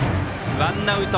ワンアウト。